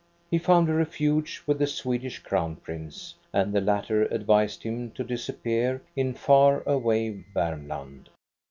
He found a refuge with the Swedish Crown Prince, and the latter advised hkn to disappear in far away Varmland.